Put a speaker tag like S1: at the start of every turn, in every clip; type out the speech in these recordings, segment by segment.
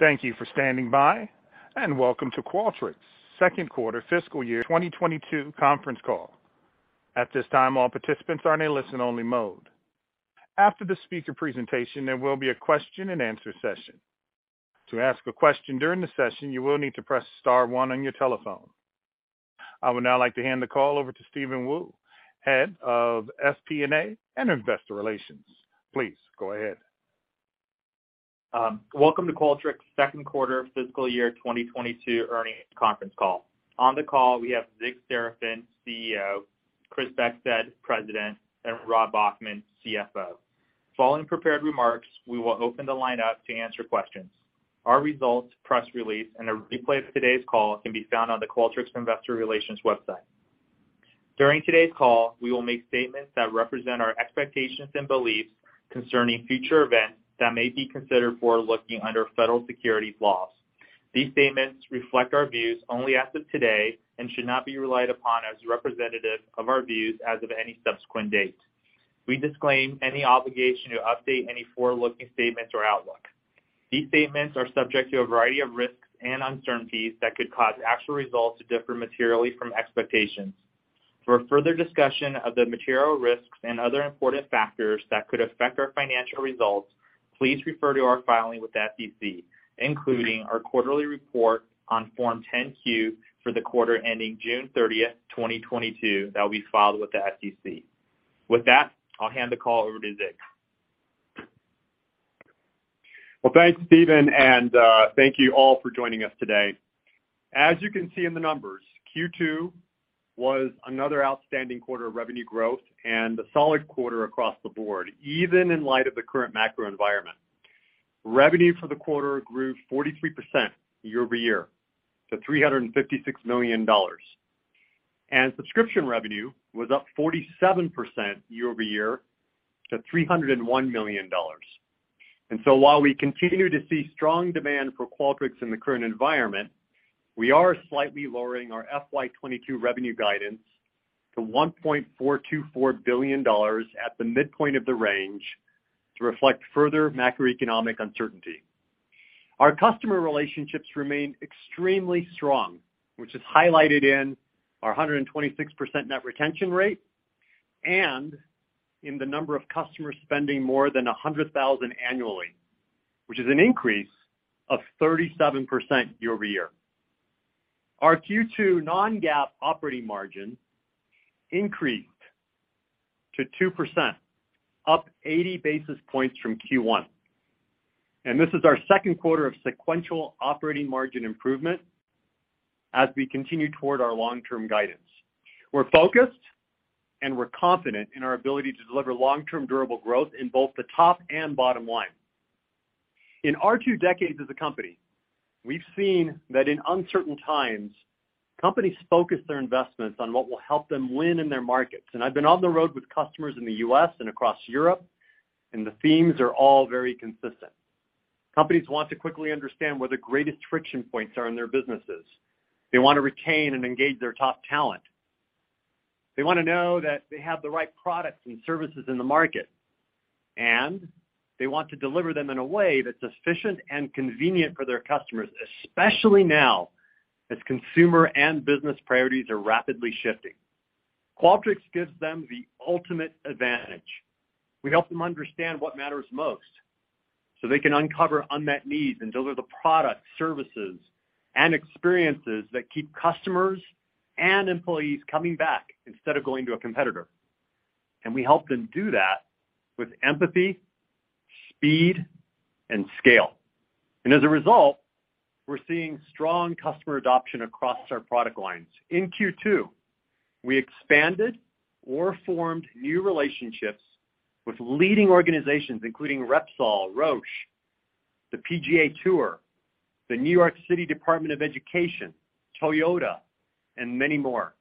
S1: Thank you for standing by, and welcome to Qualtrics second quarter fiscal year 2022 conference call. At this time, all participants are in a listen-only mode. After the speaker presentation, there will be a question-and-answer session. To ask a question during the session, you will need to press star one on your telephone. I would now like to hand the call over to Steven Wu, Head of FP&A and Investor Relations. Please go ahead.
S2: Welcome to Qualtrics' second quarter fiscal year 2022 earnings conference call. On the call, we have Zig Serafin, CEO, Chris Beckstead, President, and Rob Bachman, CFO. Following prepared remarks, we will open the line up to answer questions. Our results, press release, and a replay of today's call can be found on the Qualtrics Investor Relations website. During today's call, we will make statements that represent our expectations and beliefs concerning future events that may be considered forward-looking under federal securities laws. These statements reflect our views only as of today and should not be relied upon as representative of our views as of any subsequent date. We disclaim any obligation to update any forward-looking statements or outlook. These statements are subject to a variety of risks and uncertainties that could cause actual results to differ materially from expectations. For further discussion of the material risks and other important factors that could affect our financial results, please refer to our filing with the SEC, including our quarterly report on Form 10-Q for the quarter ending June 30, 2022, that will be filed with the SEC. With that, I'll hand the call over to Zig.
S3: Well, thanks, Steven, and thank you all for joining us today. As you can see in the numbers, Q2 was another outstanding quarter of revenue growth and a solid quarter across the board, even in light of the current macro environment. Revenue for the quarter grew 43% year-over-year to $356 million. Subscription revenue was up 47% year-over-year to $301 million. While we continue to see strong demand for Qualtrics in the current environment, we are slightly lowering our FY 2022 revenue guidance to $1.424 billion at the midpoint of the range to reflect further macroeconomic uncertainty. Our customer relationships remain extremely strong, which is highlighted in our 126% net retention rate and in the number of customers spending more than 100,000 annually, which is an increase of 37% year-over-year. Our Q2 non-GAAP operating margin increased to 2%, up 80 basis points from Q1. This is our second quarter of sequential operating margin improvement as we continue toward our long-term guidance. We're focused, and we're confident in our ability to deliver long-term durable growth in both the top and bottom line. In our two decades as a company, we've seen that in uncertain times, companies focus their investments on what will help them win in their markets. I've been on the road with customers in the U.S. and across Europe, and the themes are all very consistent. Companies want to quickly understand where the greatest friction points are in their businesses. They want to retain and engage their top talent. They want to know that they have the right products and services in the market, and they want to deliver them in a way that's efficient and convenient for their customers, especially now as consumer and business priorities are rapidly shifting. Qualtrics gives them the ultimate advantage. We help them understand what matters most, so they can uncover unmet needs, and deliver the products, services, and experiences that keep customers and employees coming back instead of going to a competitor. We help them do that with empathy, speed, and scale. As a result, we're seeing strong customer adoption across our product lines. In Q2, we expanded or formed new relationships with leading organizations including Repsol, Roche, the PGA Tour, the New York City Department of Education, Toyota, and many more.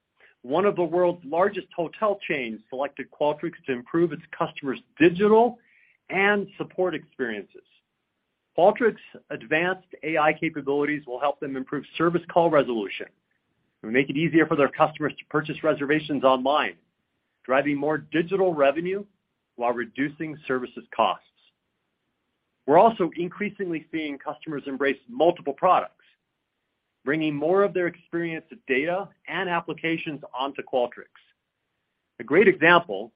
S3: One of the world's largest hotel chains selected Qualtrics to improve its customers' digital and support experiences. Qualtrics' advanced AI capabilities will help them improve service call resolution and make it easier for their customers to purchase reservations online, driving more digital revenue while reducing services costs. We're also increasingly seeing customers embrace multiple products, bringing more of their experience data and applications onto Qualtrics. A great example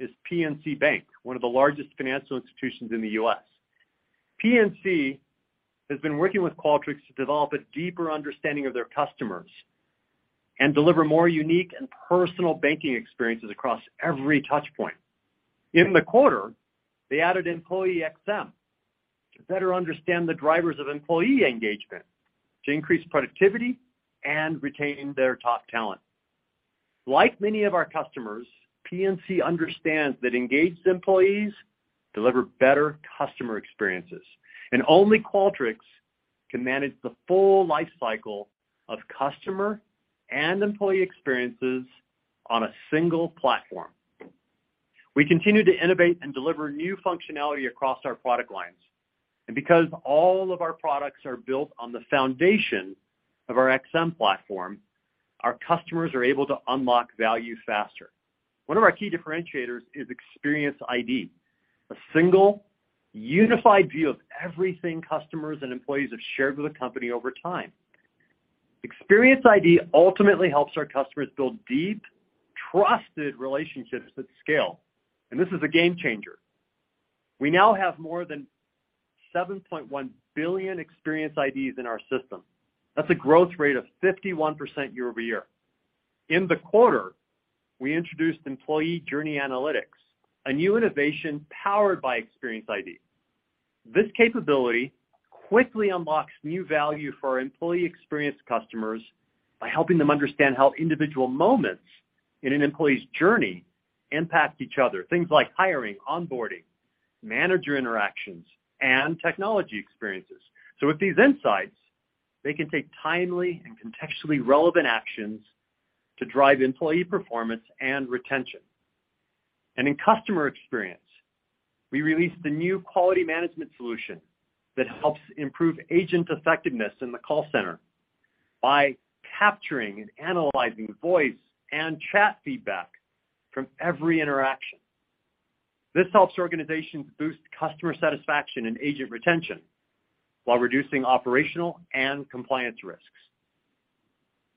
S3: is PNC Bank, one of the largest financial institutions in the U.S. PNC has been working with Qualtrics to develop a deeper understanding of their customers and deliver more unique and personal banking experiences across every touch point. In the quarter, they added EmployeeXM to better understand the drivers of employee engagement, to increase productivity and retain their top talent. Like many of our customers, PNC understands that engaged employees deliver better customer experiences, and only Qualtrics can manage the full life cycle of customer and employee experiences on a single platform. We continue to innovate and deliver new functionality across our product lines. Because all of our products are built on the foundation of our XM Platform. Our customers are able to unlock value faster. One of our key differentiators is Experience ID, a single unified view of everything customers and employees have shared with the company over time. Experience ID ultimately helps our customers build deep, trusted relationships at scale, and this is a game changer. We now have more than 7.1 billion Experience IDs in our system. That's a growth rate of 51% year-over-year. In the quarter, we introduced Employee Journey Analytics, a new innovation powered by Experience ID. This capability quickly unlocks new value for our employee experience customers by helping them understand how individual moments in an employee's journey impact each other. Things like hiring, onboarding, manager interactions, and technology experiences. With these insights, they can take timely and contextually relevant actions to drive employee performance and retention. In customer experience, we released the new Quality Management solution that helps improve agent effectiveness in the call center by capturing and analyzing voice and chat feedback from every interaction. This helps organizations boost customer satisfaction and agent retention while reducing operational and compliance risks.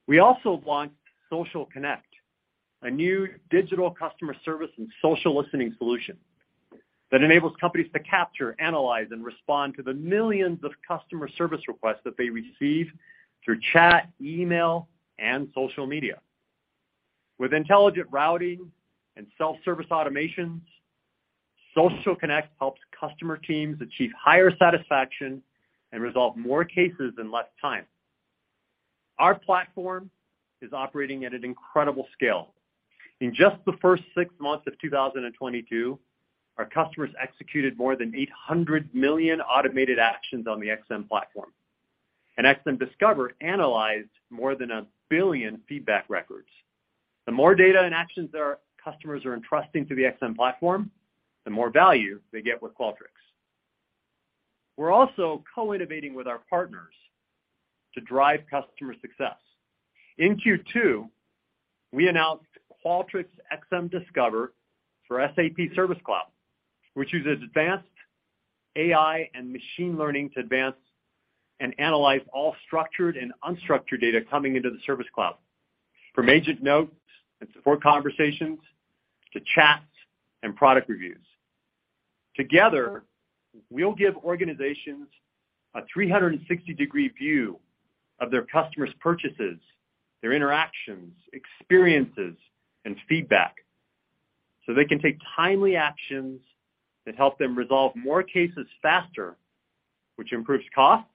S3: We also launched Social Connect, a new digital customer service and social listening solution that enables companies to capture, analyze, and respond to the millions of customer service requests that they receive through chat, email, and social media. With intelligent routing and self-service automations, Social Connect helps customer teams achieve higher satisfaction and resolve more cases in less time. Our platform is operating at an incredible scale. In just the first six months of 2022, our customers executed more than 800 million automated actions on the XM platform. XM Discover analyzed more than 1 billion feedback records. The more data and actions our customers are entrusting to the XM platform, the more value they get with Qualtrics. We're also co-innovating with our partners to drive customer success. In Q2, we announced Qualtrics XM Discover for SAP Service Cloud, which uses advanced AI and machine learning to advance and analyze all structured and unstructured data coming into the Service Cloud, from agent notes and support conversations to chats and product reviews. Together, we'll give organizations a 360-degree view of their customers' purchases, their interactions, experiences, and feedback, so they can take timely actions that help them resolve more cases faster, which improves costs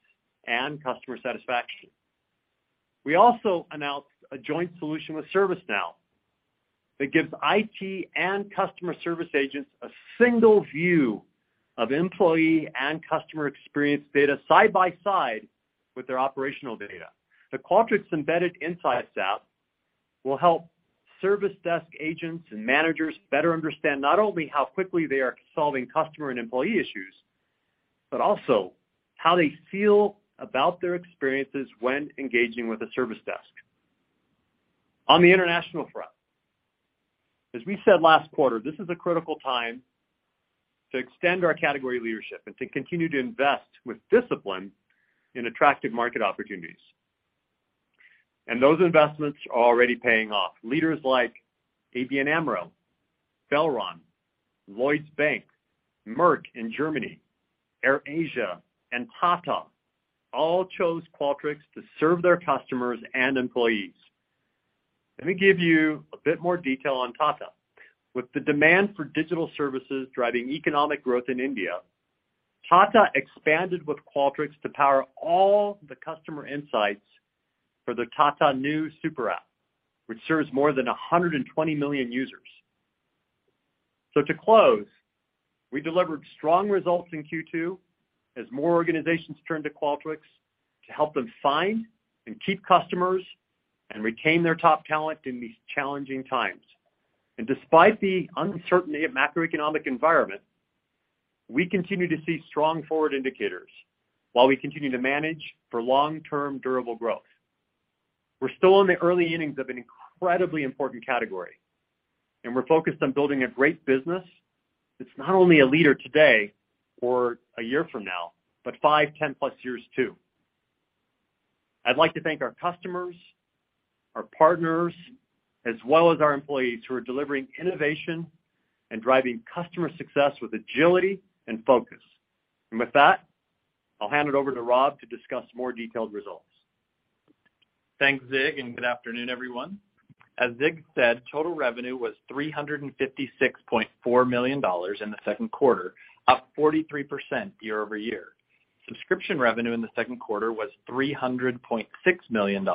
S3: and customer satisfaction. We also announced a joint solution with ServiceNow that gives IT and customer service agents a single view of employee and customer experience data side by side with their operational data. The Qualtrics Embedded Insights app will help service desk agents and managers better understand not only how quickly they are solving customer and employee issues, but also how they feel about their experiences when engaging with a service desk. On the international front, as we said last quarter, this is a critical time to extend our category leadership and to continue to invest with discipline in attractive market opportunities. Those investments are already paying off. Leaders like ABN AMRO, Belron, Lloyds Bank, Merck in Germany, AirAsia, and Tata all chose Qualtrics to serve their customers and employees. Let me give you a bit more detail on Tata. With the demand for digital services driving economic growth in India, Tata expanded with Qualtrics to power all the customer insights for the Tata Neu super app, which serves more than 120 million users. To close, we delivered strong results in Q2 as more organizations turn to Qualtrics to help them find and keep customers and retain their top talent in these challenging times. Despite the uncertainty of macroeconomic environment, we continue to see strong forward indicators while we continue to manage for long-term durable growth. We're still in the early innings of an incredibly important category, and we're focused on building a great business that's not only a leader today or a year from now, but five, 10+ years too. I'd like to thank our customers, our partners, as well as our employees who are delivering innovation and driving customer success with agility and focus. With that, I'll hand it over to Rob to discuss more detailed results.
S4: Thanks, Zig, and good afternoon, everyone. As Zig said, total revenue was $356.4 million in the second quarter, up 43% year-over-year. Subscription revenue in the second quarter was $300.6 million,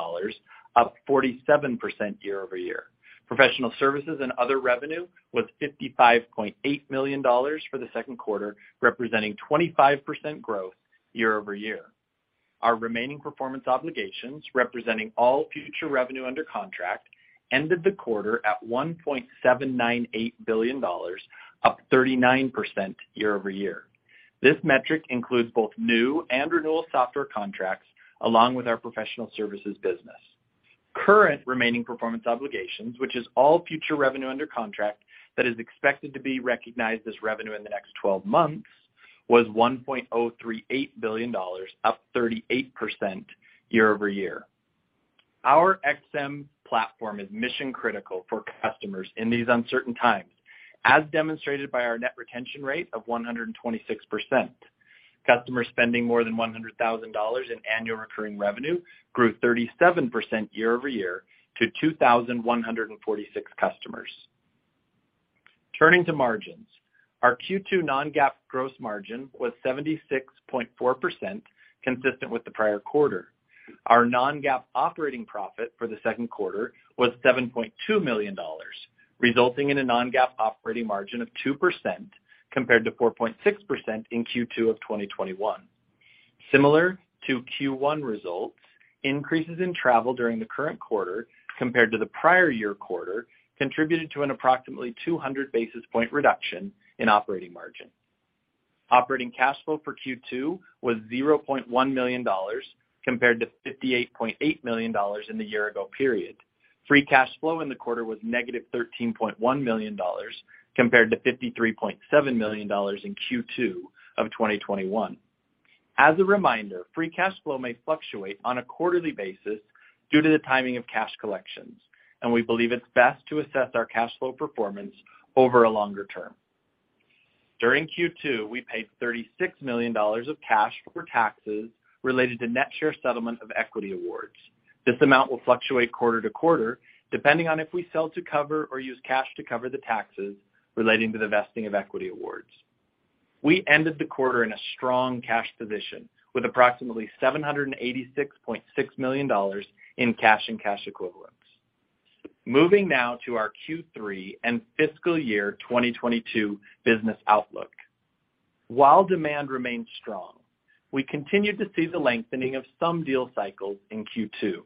S4: up 47% year-over-year. Professional services and other revenue was $55.8 million for the second quarter, representing 25% growth year-over-year. Our remaining performance obligations, representing all future revenue under contract, ended the quarter at $1.798 billion, up 39% year-over-year. This metric includes both new and renewal software contracts, along with our professional services business. Current remaining performance obligations, which is all future revenue under contract that is expected to be recognized as revenue in the next twelve months, was $1.038 billion, up 38% year-over-year. Our XM Platform is mission-critical for customers in these uncertain times, as demonstrated by our net retention rate of 126%. Customers spending more than $100,000 in annual recurring revenue grew 37% year-over-year to 2,146 customers. Turning to margins. Our Q2 non-GAAP gross margin was 76.4%, consistent with the prior quarter. Our non-GAAP operating profit for the second quarter was $7.2 million, resulting in a non-GAAP operating margin of 2% compared to 4.6% in Q2 of 2021. Similar to Q1 results, increases in travel during the current quarter compared to the prior year quarter contributed to an approximately 200 basis points reduction in operating margin. Operating cash flow for Q2 was $0.1 million compared to $58.8 million in the year ago period. Free cash flow in the quarter was -$13.1 million compared to $53.7 million in Q2 of 2021. As a reminder, free cash flow may fluctuate on a quarterly basis due to the timing of cash collections, and we believe it's best to assess our cash flow performance over a longer term. During Q2, we paid $36 million of cash for taxes related to net share settlement of equity awards. This amount will fluctuate quarter to quarter depending on if we sell to cover or use cash to cover the taxes relating to the vesting of equity awards. We ended the quarter in a strong cash position, with approximately $786.6 million in cash and cash equivalents. Moving now to our Q3 and fiscal year 2022 business outlook. While demand remains strong, we continue to see the lengthening of some deal cycles in Q2.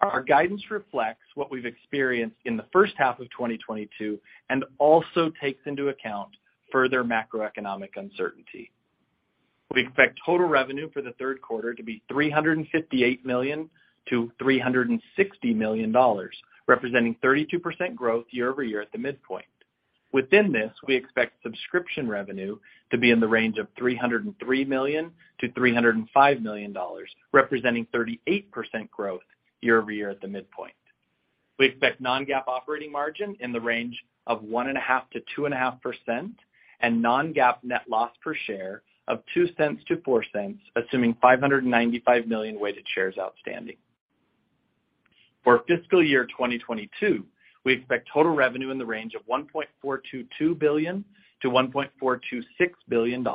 S4: Our guidance reflects what we've experienced in the first half of 2022 and also takes into account further macroeconomic uncertainty. We expect total revenue for the third quarter to be $358 million-$360 million, representing 32% growth year-over-year at the midpoint. Within this, we expect subscription revenue to be in the range of $303 million-$305 million, representing 38% growth year-over-year at the midpoint. We expect non-GAAP operating margin in the range of 1.5%-2.5%, and non-GAAP net loss per share of $0.02-$0.04, assuming 595 million weighted shares outstanding. For fiscal year 2022, we expect total revenue in the range of $1.422 billion-$1.426 billion,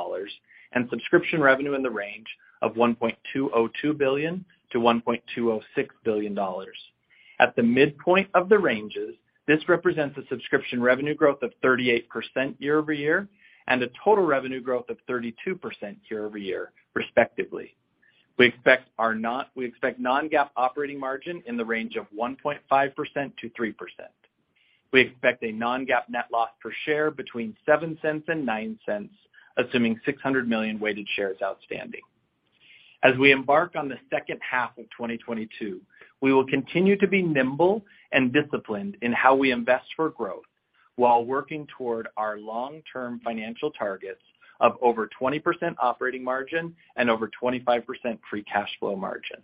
S4: and subscription revenue in the range of $1.202 billion-$1.206 billion. At the midpoint of the ranges, this represents a subscription revenue growth of 38% year-over-year and a total revenue growth of 32% year-over-year, respectively. We expect non-GAAP operating margin in the range of 1.5%-3%. We expect a non-GAAP net loss per share between $0.07 and $0.09, assuming 600 million weighted shares outstanding. As we embark on the second half of 2022, we will continue to be nimble and disciplined in how we invest for growth while working toward our long-term financial targets of over 20% operating margin and over 25% free cash flow margin.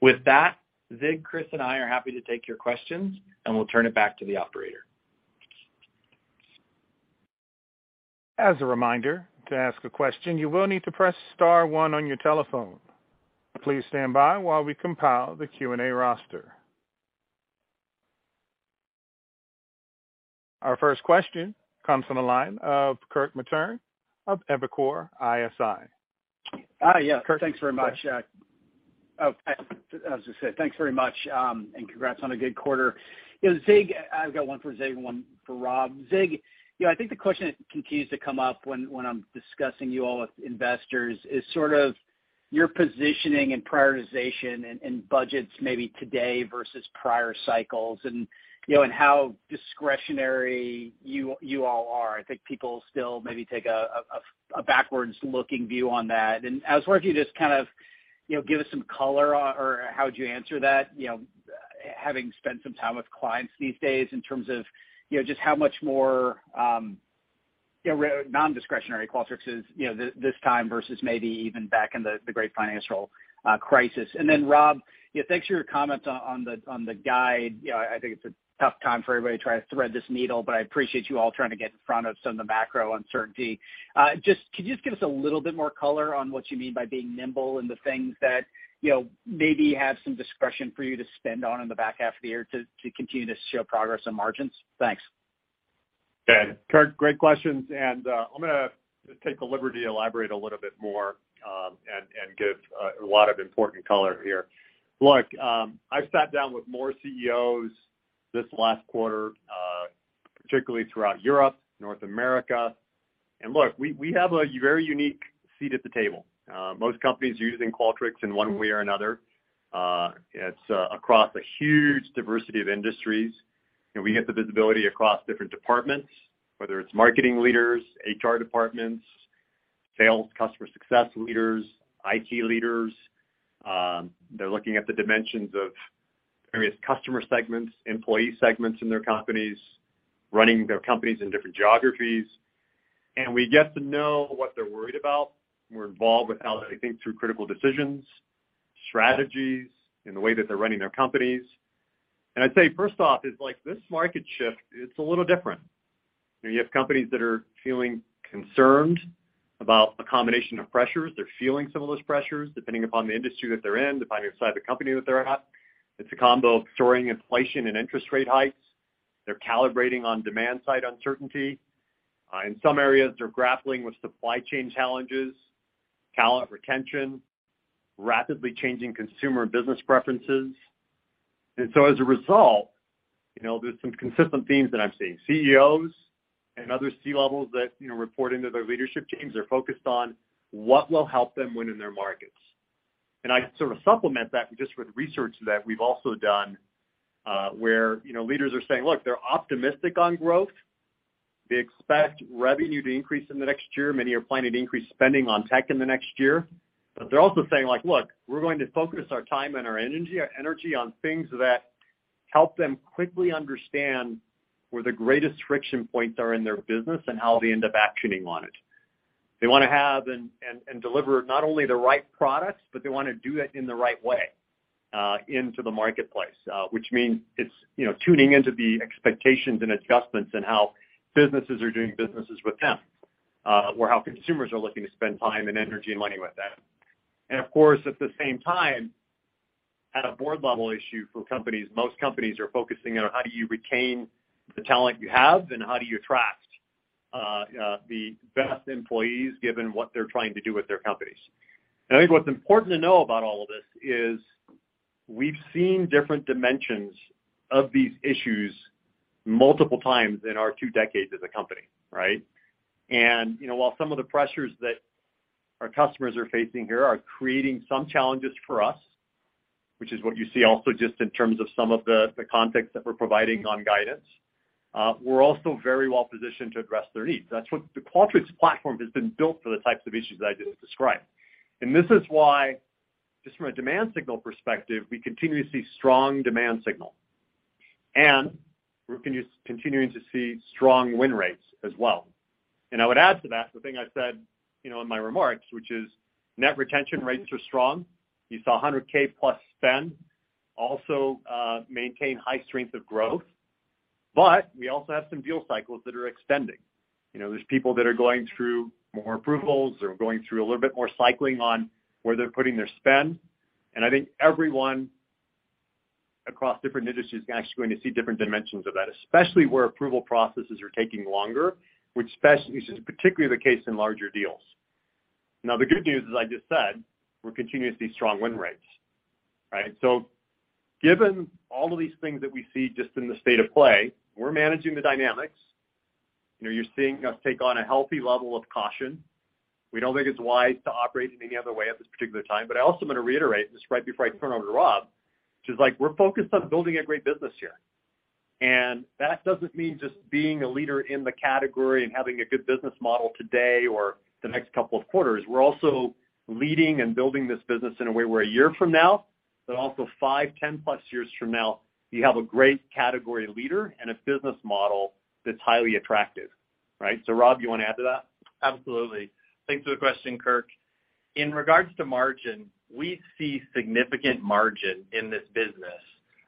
S4: With that, Zig, Chris, and I are happy to take your questions, and we'll turn it back to the operator.
S1: As a reminder, to ask a question, you will need to press star one on your telephone. Please stand by while we compile the Q&A roster. Our first question comes from the line of Kirk Materne of Evercore ISI.
S5: Yeah.
S1: Kirk, go ahead.
S5: Thanks very much. As I said, thanks very much, and congrats on a good quarter. You know, Zig, I've got one for Zig and one for Rob. Zig, you know, I think the question that continues to come up when I'm discussing you all with investors is sort of your positioning and prioritization and budgets maybe today versus prior cycles and, you know, and how discretionary you all are. I think people still maybe take a backwards-looking view on that. I was wondering if you could just kind of, you know, give us some color on or how would you answer that, you know, having spent some time with clients these days in terms of, you know, just how much more, you know, non-discretionary Qualtrics is, you know, this time versus maybe even back in the great financial crisis. Rob, you know, thanks for your comments on the guide. You know, I think it's a tough time for everybody to try to thread this needle, but I appreciate you all trying to get in front of some of the macro uncertainty. Just, could you just give us a little bit more color on what you mean by being nimble and the things that, you know, maybe have some discretion for you to spend on in the back half of the year to continue to show progress on margins? Thanks.
S3: Yeah. Kirk, great questions, and I'm gonna take the liberty to elaborate a little bit more, and give a lot of important color here. Look, I sat down with more CEOs this last quarter. Particularly throughout Europe, North America. Look, we have a very unique seat at the table. Most companies are using Qualtrics in one way or another. It's across a huge diversity of industries, and we get the visibility across different departments, whether it's marketing leaders, HR departments, sales, customer success leaders, IT leaders. They're looking at the dimensions of various customer segments, employee segments in their companies, running their companies in different geographies. We get to know what they're worried about. We're involved with how they think through critical decisions, strategies in the way that they're running their companies. I'd say, first off, is like this market shift, it's a little different. You have companies that are feeling concerned about a combination of pressures. They're feeling some of those pressures depending upon the industry that they're in, depending on the side of the company that they're at. It's a combo of soaring inflation and interest rate hikes. They're calibrating on demand-side uncertainty. In some areas, they're grappling with supply chain challenges, talent retention, rapidly changing consumer business preferences. As a result, you know, there's some consistent themes that I'm seeing. CEOs and other C-levels that, you know, report into their leadership teams are focused on what will help them win in their markets. I sort of supplement that just with research that we've also done, where, you know, leaders are saying, look, they're optimistic on growth. They expect revenue to increase in the next year. Many are planning to increase spending on tech in the next year. They're also saying, like, "Look, we're going to focus our time and our energy on things that help them quickly understand where the greatest friction points are in their business and how they end up actioning on it." They wanna have and deliver not only the right products, but they wanna do it in the right way into the marketplace, which means it's, you know, tuning into the expectations and adjustments in how businesses are doing businesses with them, or how consumers are looking to spend time and energy and money with them. Of course, at the same time, at a board level issue for companies, most companies are focusing on how do you retain the talent you have and how do you attract the best employees given what they're trying to do with their companies. I think what's important to know about all of this is we've seen different dimensions of these issues multiple times in our two decades as a company, right? You know, while some of the pressures that our customers are facing here are creating some challenges for us, which is what you see also just in terms of some of the context that we're providing on guidance, we're also very well positioned to address their needs. That's what the Qualtrics platform has been built for the types of issues that I just described. This is why, just from a demand signal perspective, we continue to see strong demand signal, and we're continuing to see strong win rates as well. I would add to that the thing I said, you know, in my remarks, which is net retention rates are strong. You saw 100K plus spend also maintain high strength of growth. We also have some deal cycles that are extending. You know, there's people that are going through more approvals or going through a little bit more cycling on where they're putting their spend. I think everyone across different industries is actually going to see different dimensions of that, especially where approval processes are taking longer, which is particularly the case in larger deals. Now, the good news, as I just said, we're continuing to see strong win rates, right? Given all of these things that we see just in the state of play, we're managing the dynamics. You know, you're seeing us take on a healthy level of caution. We don't think it's wise to operate in any other way at this particular time. I also want to reiterate this right before I turn over to Rob, which is like we're focused on building a great business here. That doesn't mean just being a leader in the category and having a good business model today or the next couple of quarters. We're also leading and building this business in a way where a year from now, but also five, ten plus years from now, you have a great category leader and a business model that's highly attractive, right? Rob, you wanna add to that?
S4: Absolutely. Thanks for the question, Kirk. In regards to margin, we see significant margin in this business,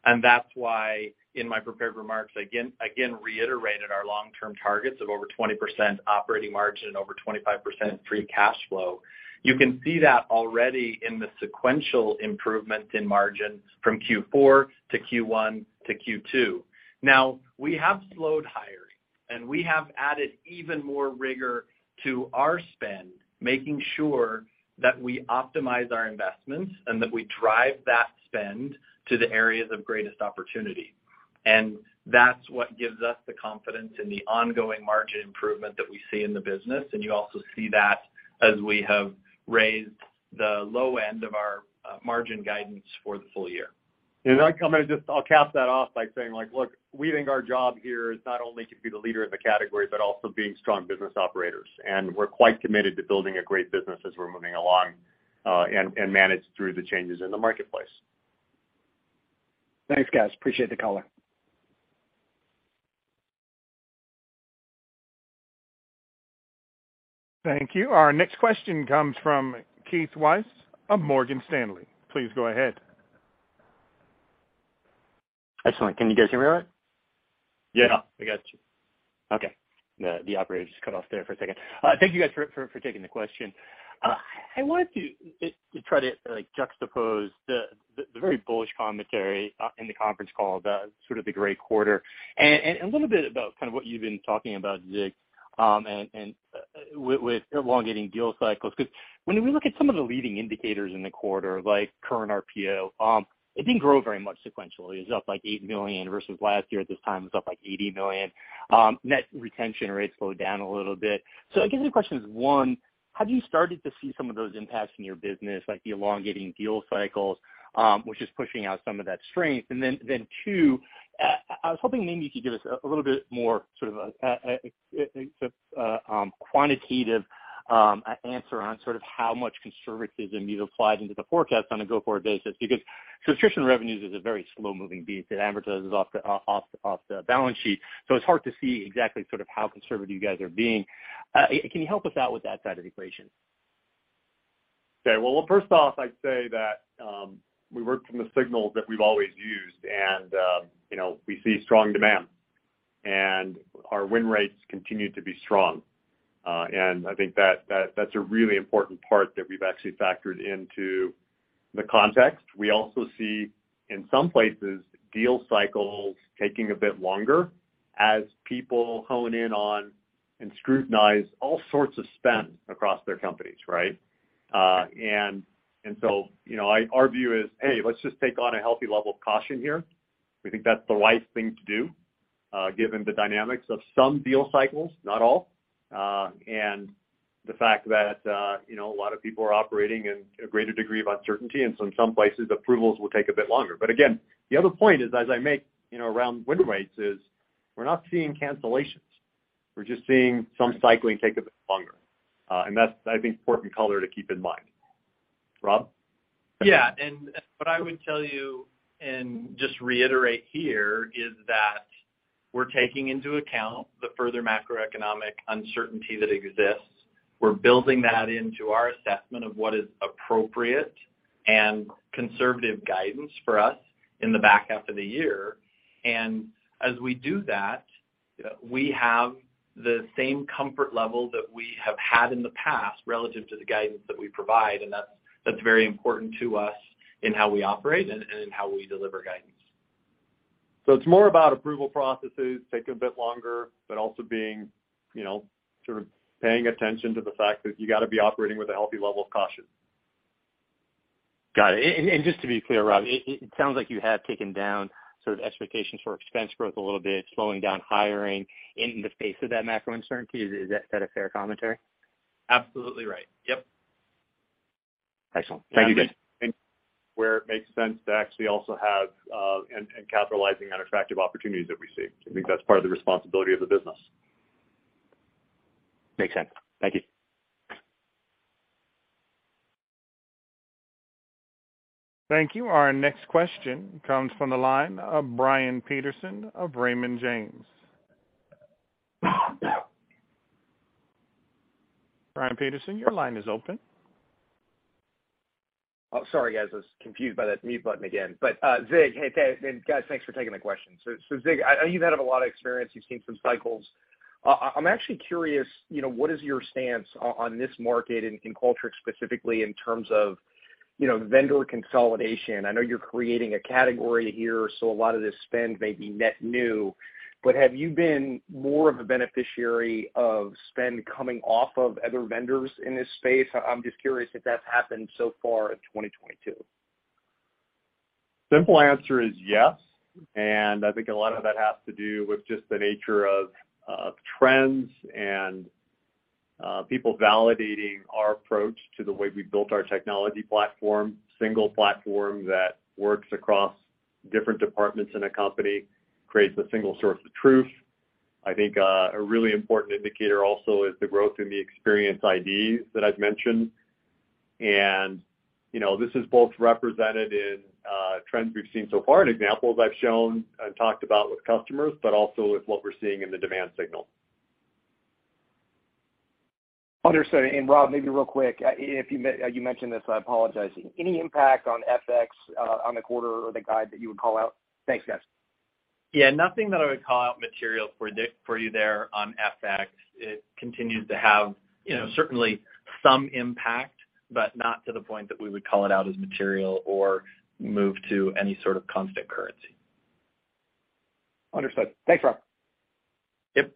S4: and that's why in my prepared remarks, again reiterated our long-term targets of over 20% operating margin and over 25% free cash flow. You can see that already in the sequential improvement in margins from Q4 to Q1 to Q2. Now, we have slowed hiring, and we have added even more rigor to our spend, making sure that we optimize our investments and that we drive that spend to the areas of greatest opportunity. That's what gives us the confidence in the ongoing margin improvement that we see in the business. You also see that as we have raised the low end of our margin guidance for the full year.
S3: I'd come in and just I'll cap that off by saying like, look, we think our job here is not only to be the leader in the category, but also being strong business operators. We're quite committed to building a great business as we're moving along, and manage through the changes in the marketplace.
S5: Thanks, guys. Appreciate the color.
S1: Thank you. Our next question comes from Keith Weiss of Morgan Stanley. Please go ahead.
S6: Excellent. Can you guys hear me all right?
S3: Yeah. We got you.
S6: Okay. The operator just cut off there for a second. Thank you guys for taking the question. I wanted to try to, like, juxtapose the very bullish commentary in the conference call, the sort of great quarter, and a little bit about kind of what you've been talking about, Zig, and with elongating deal cycles, 'cause when we look at some of the leading indicators in the quarter, like current RPO, it didn't grow very much sequentially. It was up like $8 million versus last year at this time it was up like $80 million. Net retention rates slowed down a little bit. I guess the question is, one, have you started to see some of those impacts in your business, like the elongating deal cycles, which is pushing out some of that strength? Two, I was hoping maybe you could give us a little bit more sort of exact quantitative answer on sort of how much conservatism you've applied into the forecast on a go-forward basis because subscription revenues is a very slow-moving beast. It amortizes off the balance sheet, so it's hard to see exactly sort of how conservative you guys are being. Can you help us out with that side of the equation?
S3: Okay. Well, first off, I'd say that we worked from the signals that we've always used and, you know, we see strong demand, and our win rates continue to be strong. I think that's a really important part that we've actually factored into the context. We also see in some places deal cycles taking a bit longer as people hone in on and scrutinize all sorts of spend across their companies, right? You know, our view is, hey, let's just take on a healthy level of caution here. We think that's the right thing to do, given the dynamics of some deal cycles, not all, and the fact that, you know, a lot of people are operating in a greater degree of uncertainty, and so in some places, approvals will take a bit longer. Again, the other point is, as I make, you know, around win rates is we're not seeing cancellations. We're just seeing some cycling take a bit longer. That's, I think, important color to keep in mind. Rob?
S4: Yeah. What I would tell you, and just reiterate here, is that we're taking into account the further macroeconomic uncertainty that exists. We're building that into our assessment of what is appropriate and conservative guidance for us in the back half of the year. As we do that, we have the same comfort level that we have had in the past relative to the guidance that we provide, and that's very important to us in how we operate and in how we deliver guidance.
S3: It's more about approval processes taking a bit longer, but also being, you know, sort of paying attention to the fact that you gotta be operating with a healthy level of caution.
S6: Got it. Just to be clear, Rob, it sounds like you have taken down sort of expectations for expense growth a little bit, slowing down hiring in the face of that macro uncertainty. Is that a fair commentary?
S4: Absolutely right. Yep.
S6: Excellent. Thank you, guys.
S3: Where it makes sense to actually also have, and capitalizing on attractive opportunities that we see. I think that's part of the responsibility of the business.
S6: Makes sense. Thank you.
S1: Thank you. Our next question comes from the line of Brian Peterson of Raymond James. Brian Peterson, your line is open.
S7: Oh, sorry, guys. I was confused by that mute button again. Zig, hey, and guys, thanks for taking the question. Zig, I know you've had a lot of experience. You've seen some cycles. I'm actually curious, you know, what is your stance on this market and in Qualtrics specifically in terms of, you know, vendor consolidation? I know you're creating a category here, so a lot of the spend may be net new, but have you been more of a beneficiary of spend coming off of other vendors in this space? I'm just curious if that's happened so far in 2022.
S3: Simple answer is yes, and I think a lot of that has to do with just the nature of trends and people validating our approach to the way we've built our technology platform, single platform that works across different departments in a company, creates a single source of truth. I think a really important indicator also is the growth in the Experience IDs that I've mentioned. You know, this is both represented in trends we've seen so far and examples I've shown and talked about with customers, but also with what we're seeing in the demand signal.
S7: Understood. Rob, maybe real quick, if you mentioned this, I apologize. Any impact on FX on the quarter or the guide that you would call out? Thanks, guys.
S4: Yeah. Nothing that I would call out material for you there on FX. It continues to have, you know, certainly some impact, but not to the point that we would call it out as material or move to any sort of constant currency.
S7: Understood. Thanks, Rob.
S4: Yep.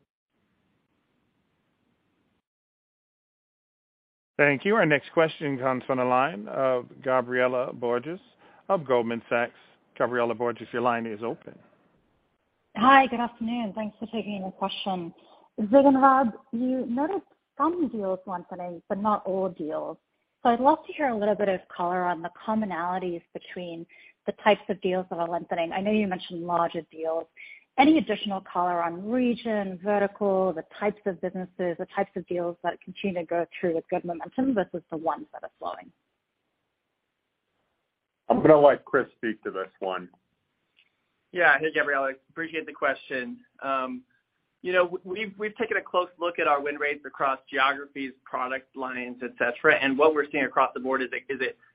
S1: Thank you. Our next question comes from the line of Gabriela Borges of Goldman Sachs. Gabriela Borges, your line is open.
S8: Hi. Good afternoon. Thanks for taking the question. Zig and Rob, you noticed some deals lengthening, but not all deals. I'd love to hear a little bit of color on the commonalities between the types of deals that are lengthening. I know you mentioned larger deals. Any additional color on region, vertical, the types of businesses, the types of deals that continue to go through with good momentum versus the ones that are slowing?
S3: I'm gonna let Chris speak to this one.
S9: Yeah. Hey, Gabriela. Appreciate the question. You know, we've taken a close look at our win rates across geographies, product lines, et cetera, and what we're seeing across the board is a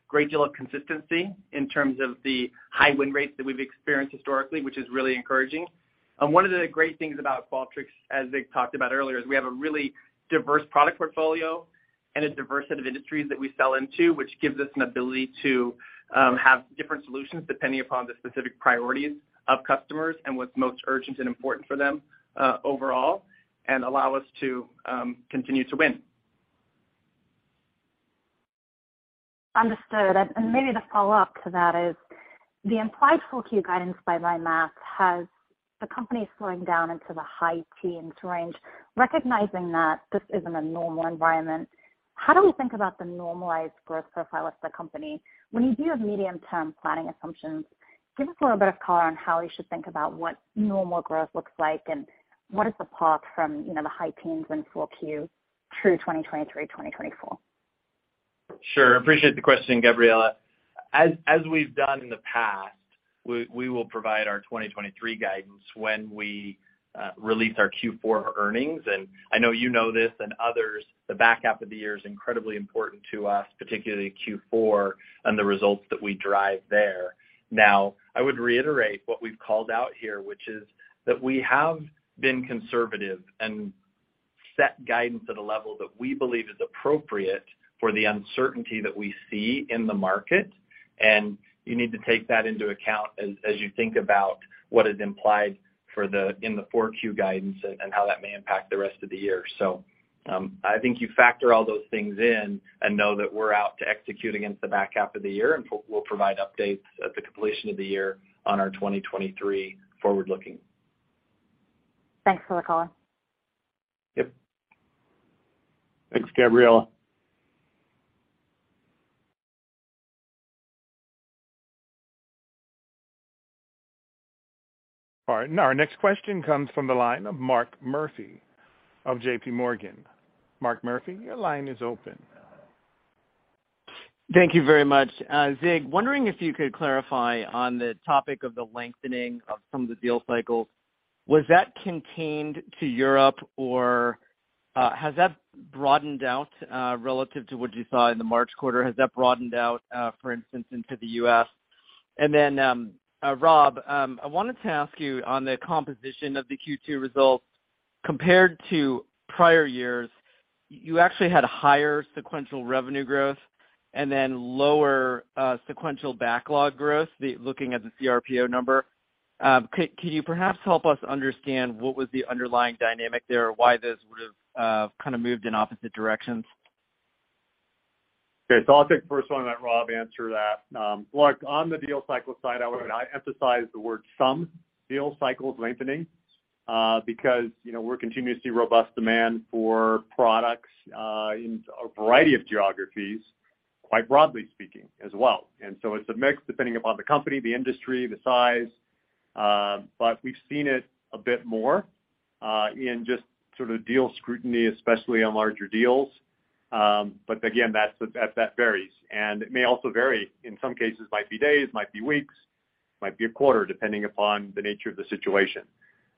S9: great deal of consistency in terms of the high win rates that we've experienced historically, which is really encouraging. One of the great things about Qualtrics, as Zig talked about earlier, is we have a really diverse product portfolio. A diverse set of industries that we sell into, which gives us an ability to have different solutions depending upon the specific priorities of customers and what's most urgent and important for them, overall, and allow us to continue to win.
S8: Understood. Maybe the follow-up to that is the implied full Q guidance by my math has the company slowing down into the high teens range. Recognizing that this isn't a normal environment, how do we think about the normalized growth profile of the company? When you do your medium-term planning assumptions, give us a little bit of color on how we should think about what normal growth looks like and what is the path from, you know, the high teens in full Q through 2023, 2024.
S4: Sure. Appreciate the question, Gabriela. As we've done in the past, we will provide our 2023 guidance when we release our Q4 earnings. I know you know this and others, the back half of the year is incredibly important to us, particularly Q4 and the results that we drive there. Now, I would reiterate what we've called out here, which is that we have been conservative and set guidance at a level that we believe is appropriate for the uncertainty that we see in the market. You need to take that into account as you think about what is implied in the Q4 guidance and how that may impact the rest of the year. I think you factor all those things in and know that we're out to execute against the back half of the year, and we'll provide updates at the completion of the year on our 2023 forward-looking.
S8: Thanks for the color.
S4: Yep.
S3: Thanks, Gabriela.
S1: All right, our next question comes from the line of Mark Murphy of JPMorgan. Mark Murphy, your line is open.
S10: Thank you very much. Zig, wondering if you could clarify on the topic of the lengthening of some of the deal cycles, was that contained to Europe, or has that broadened out relative to what you saw in the March quarter? Has that broadened out, for instance, into the U.S.? Rob, I wanted to ask you on the composition of the Q2 results, compared to prior years, you actually had higher sequential revenue growth and then lower sequential backlog growth, looking at the CRPO number. Can you perhaps help us understand what was the underlying dynamic there, or why this would've kind of moved in opposite directions?
S3: Okay, I'll take the first one and let Rob answer that. Look, on the deal cycle side, I would emphasize the word some deal cycles lengthening, because, you know, we continue to see robust demand for products, in a variety of geographies, quite broadly speaking as well. It's a mix depending upon the company, the industry, the size, but we've seen it a bit more, in just sort of deal scrutiny, especially on larger deals. Again, that varies. It may also vary, in some cases might be days, might be weeks, might be a quarter, depending upon the nature of the situation.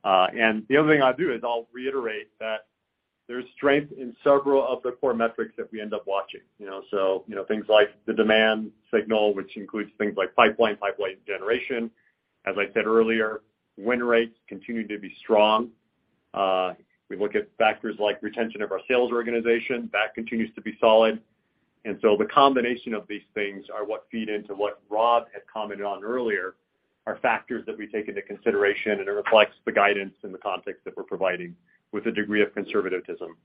S3: The other thing I'll do is reiterate that there's strength in several of the core metrics that we end up watching. You know? You know, things like the demand signal, which includes things like pipeline generation. As I said earlier, win rates continue to be strong. We look at factors like retention of our sales organization. That continues to be solid. The combination of these things are what feed into what Rob had commented on earlier are factors that we take into consideration, and it reflects the guidance in the context that we're providing with a degree of conservatism.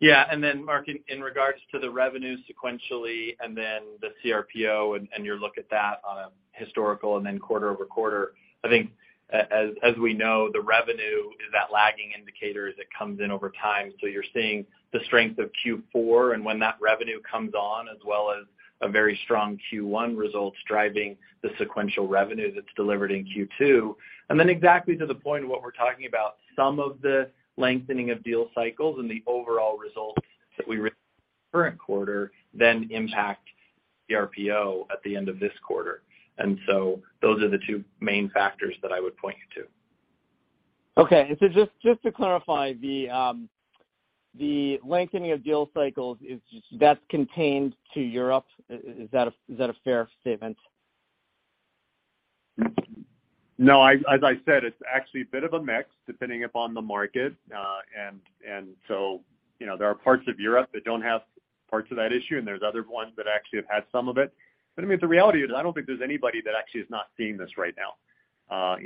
S4: Yeah. Mark, in regards to the revenue sequentially and then the CRPO and your look at that on a historical and then quarter-over-quarter, I think as we know, the revenue is that lagging indicator as it comes in over time. You're seeing the strength of Q4 and when that revenue comes on, as well as a very strong Q1 results driving the sequential revenue that's delivered in Q2. Exactly to the point of what we're talking about, some of the lengthening of deal cycles and the overall results current quarter then impact CRPO at the end of this quarter. Those are the two main factors that I would point you to.
S10: Okay. Just to clarify, the lengthening of deal cycles is contained to Europe. Is that a fair statement?
S3: No. As I said, it's actually a bit of a mix depending upon the market. So, you know, there are parts of Europe that don't have parts of that issue, and there's other ones that actually have had some of it. I mean, the reality is, I don't think there's anybody that actually is not seeing this right now.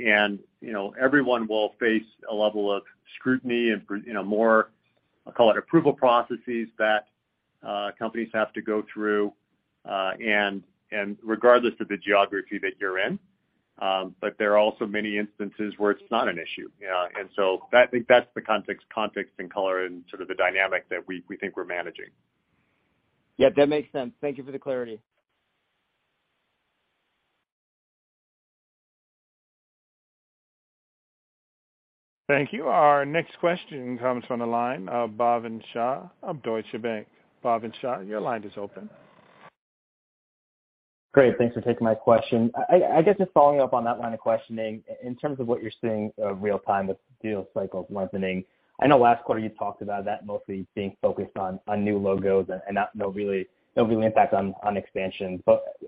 S3: You know, everyone will face a level of scrutiny and, you know, more, I'll call it approval processes that companies have to go through, and regardless of the geography that you're in. There are also many instances where it's not an issue. That I think that's the context and color and sort of the dynamic that we think we're managing.
S10: Yeah, that makes sense. Thank you for the clarity.
S1: Thank you. Our next question comes from the line of Bhavin Shah of Deutsche Bank. Bhavin Shah, your line is open.
S11: Great. Thanks for taking my question. I guess just following up on that line of questioning, in terms of what you're seeing, real time with deal cycles lengthening, I know last quarter you talked about that mostly being focused on new logos and not really, no real impact on expansions.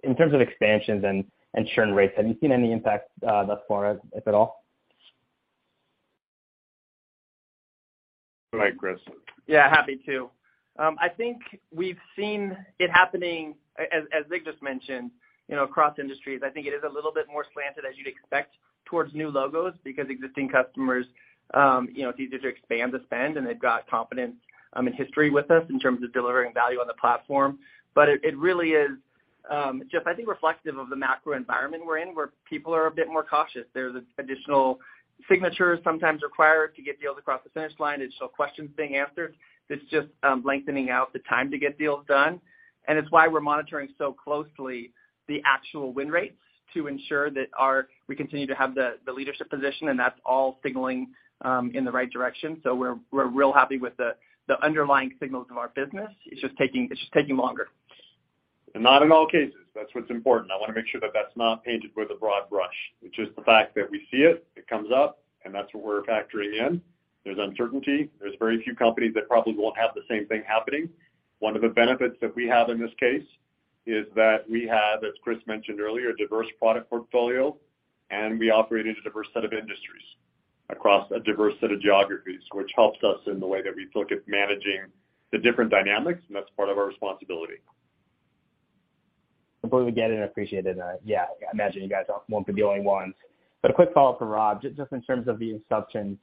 S11: In terms of expansions and churn rates, have you seen any impact, thus far, if at all?
S3: Go ahead, Chris.
S9: Yeah, happy to. I think we've seen it happening, as Zig just mentioned, you know, across industries. I think it is a little bit more slanted as you'd expect towards new logos because existing customers, you know, it's easier to expand the spend, and they've got confidence in history with us in terms of delivering value on the platform. It really is just I think reflective of the macro environment we're in, where people are a bit more cautious. There's additional signatures sometimes required to get deals across the finish line. There's still questions being answered that's just lengthening out the time to get deals done. It's why we're monitoring so closely the actual win rates to ensure that we continue to have the leadership position, and that's all signaling in the right direction. We're real happy with the underlying signals of our business. It's just taking longer.
S3: Not in all cases. That's what's important. I wanna make sure that that's not painted with a broad brush, which is the fact that we see it comes up, and that's what we're factoring in. There's uncertainty. There's very few companies that probably won't have the same thing happening. One of the benefits that we have in this case is that we have, as Chris mentioned earlier, a diverse product portfolio, and we operate in a diverse set of industries across a diverse set of geographies, which helps us in the way that we look at managing the different dynamics, and that's part of our responsibility.
S11: Completely get it and appreciate it. Yeah, I imagine you guys won't be the only ones. A quick follow-up for Rob, just in terms of the assumptions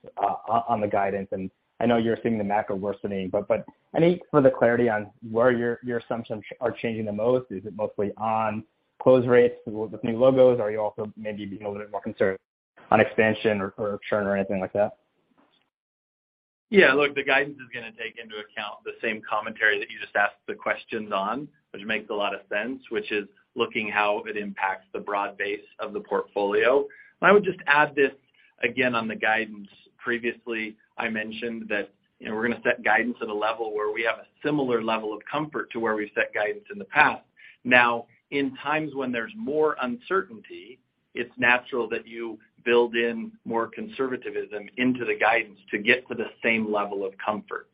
S11: on the guidance, and I know you're seeing the macro worsening, but any further clarity on where your assumptions are changing the most? Is it mostly on close rates with new logos? Are you also maybe being a little bit more conservative on expansion or churn or anything like that?
S4: Yeah. Look, the guidance is gonna take into account the same commentary that you just asked the questions on, which makes a lot of sense, which is looking how it impacts the broad base of the portfolio. I would just add this, again, on the guidance. Previously, I mentioned that, you know, we're gonna set guidance at a level where we have a similar level of comfort to where we've set guidance in the past. Now, in times when there's more uncertainty, it's natural that you build in more conservatism into the guidance to get to the same level of comfort.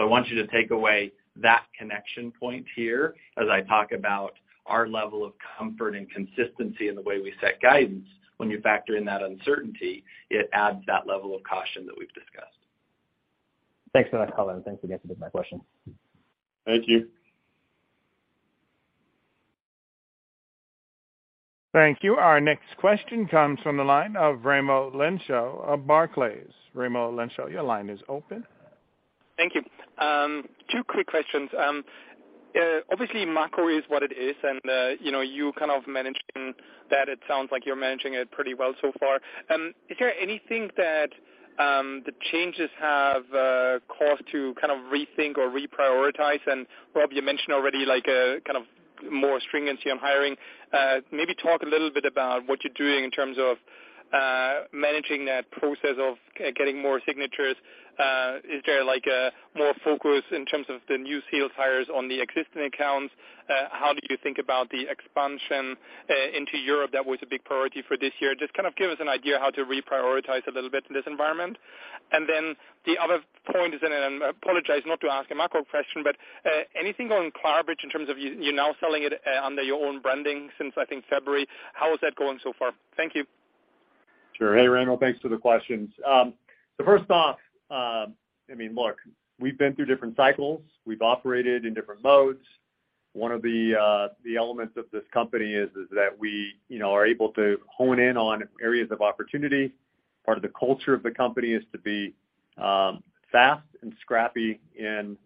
S4: I want you to take away that connection point here as I talk about our level of comfort and consistency in the way we set guidance. When you factor in that uncertainty, it adds that level of caution that we've discussed.
S11: Thanks for that color, and thanks again for taking my question.
S3: Thank you.
S1: Thank you. Our next question comes from the line of Raimo Lenschow of Barclays. Raimo Lenschow, your line is open.
S12: Thank you. Two quick questions. Obviously, macro is what it is, and you know, you kind of managing that. It sounds like you're managing it pretty well so far. Is there anything that the changes have caused to kind of rethink or reprioritize? Rob, you mentioned already like a kind of more stringency on hiring. Maybe talk a little bit about what you're doing in terms of managing that process of getting more signatures. Is there like a more focus in terms of the new sales hires on the existing accounts? How do you think about the expansion into Europe? That was a big priority for this year. Just kind of give us an idea how to reprioritize a little bit in this environment. The other point is, and I apologize not to ask a macro question, but, anything on Clarabridge in terms of you're now selling it, under your own branding since, I think, February. How is that going so far? Thank you.
S3: Sure. Hey, Raimo. Thanks for the questions. First off, I mean, look, we've been through different cycles. We've operated in different modes. One of the elements of this company is that we, you know, are able to hone in on areas of opportunity. Part of the culture of the company is to be fast and scrappy in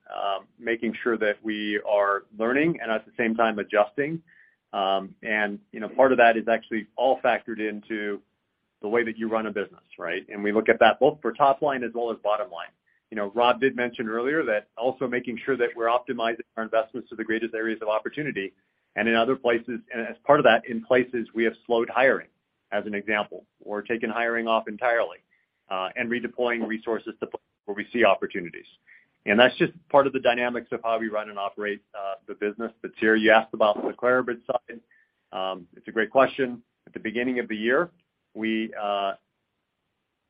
S3: making sure that we are learning and at the same time adjusting. You know, part of that is actually all factored into the way that you run a business, right? We look at that both for top line as well as bottom line. You know, Rob did mention earlier that, also making sure that we're optimizing our investments to the greatest areas of opportunity. In other places, and as part of that, in places we have slowed hiring, as an example, or taken hiring off entirely, and redeploying resources to places where we see opportunities. That's just part of the dynamics of how we run and operate, the business. Sir, you asked about the Clarabridge side. It's a great question. At the beginning of the year, we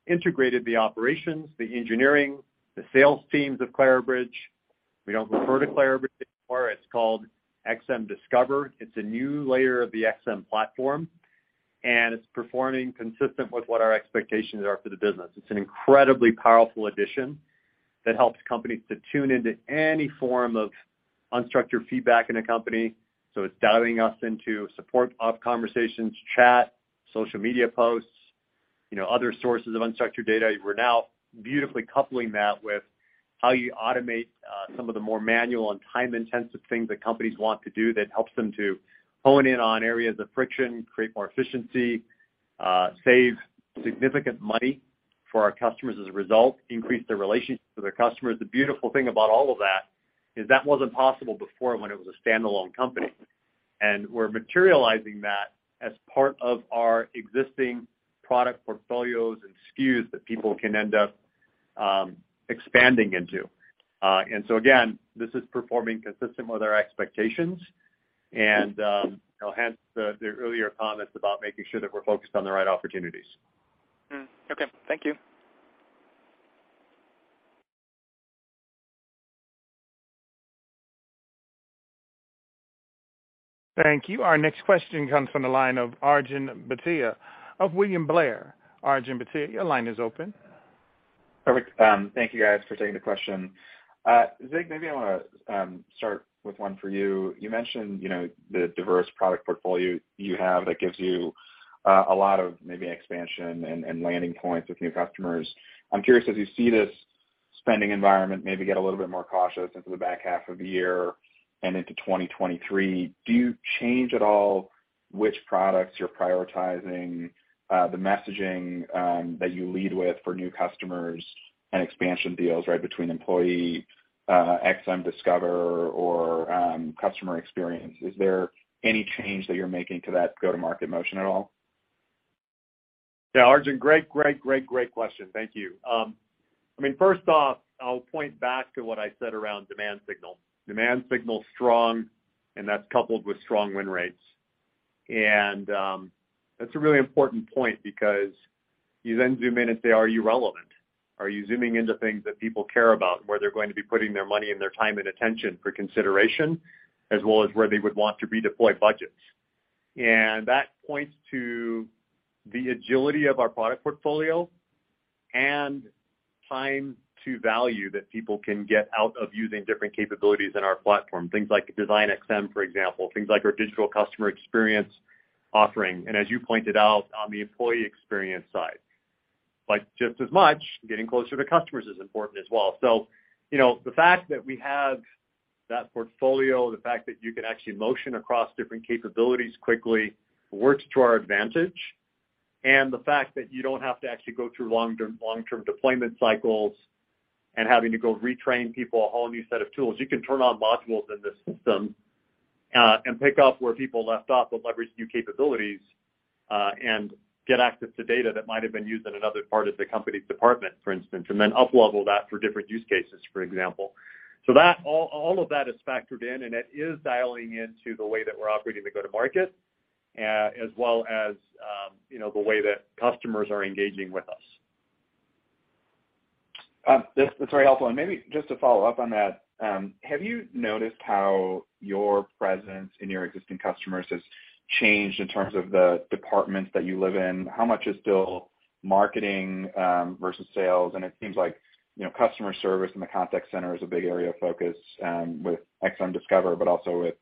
S3: integrated the operations, the engineering, the sales teams of Clarabridge. We don't refer to Clarabridge anymore. It's called XM Discover. It's a new layer of the XM platform, and it's performing consistent with what our expectations are for the business. It's an incredibly powerful addition that helps companies to tune into any form of unstructured feedback in a company. It's dialing us into support of conversations, chat, social media posts, you know, other sources of unstructured data. We're now beautifully coupling that with how you automate some of the more manual and time-intensive things that companies want to do that helps them to hone in on areas of friction, create more efficiency, save significant money for our customers as a result, increase their relationships with their customers. The beautiful thing about all of that is that wasn't possible before when it was a standalone company. We're materializing that as part of our existing product portfolios and SKUs that people can end up expanding into. Again, this is performing consistent with our expectations and, you know, hence the earlier comments about making sure that we're focused on the right opportunities.
S12: Okay. Thank you.
S1: Thank you. Our next question comes from the line of Arjun Bhatia of William Blair. Arjun Bhatia, your line is open.
S13: Perfect. Thank you guys for taking the question. Zig, maybe I wanna start with one for you. You mentioned, you know, the diverse product portfolio you have that gives you a lot of maybe expansion and landing points with new customers. I'm curious, as you see this spending environment maybe get a little bit more cautious into the back half of the year and into 2023, do you change at all which products you're prioritizing, the messaging that you lead with for new customers and expansion deals, right between EmployeeXM, XM Discover, or customer experience? Is there any change that you're making to that go-to-market motion at all?
S3: Yeah, Arjun, great question. Thank you. I mean, first off, I'll point back to what I said around demand signal. Demand signal's strong, and that's coupled with strong win rates. That's a really important point because you then zoom in and say, are you relevant? Are you zooming into things that people care about, where they're going to be putting their money and their time and attention for consideration, as well as where they would want to redeploy budgets? That points to the agility of our product portfolio and time to value that people can get out of using different capabilities in our platform, things like DesignXM, for example, things like our digital customer experience offering, and as you pointed out, on the employee experience side. Like, just as much, getting closer to customers is important as well. You know, the fact that we have that portfolio, the fact that you can actually motion across different capabilities quickly works to our advantage. The fact that you don't have to actually go through long-term deployment cycles and having to go retrain people a whole new set of tools, you can turn on modules in the system, and pick up where people left off to leverage new capabilities, and get access to data that might have been used in another part of the company's department, for instance, and then up-level that for different use cases, for example. That all of that is factored in, and it is dialing into the way that we're operating the go-to-market, as well as, you know, the way that customers are engaging with us.
S13: That's very helpful. Maybe just to follow up on that, have you noticed how your presence in your existing customers has changed in terms of the departments that you live in? How much is still marketing versus sales? It seems like, you know, customer service and the contact center is a big area of focus with XM Discover, but also with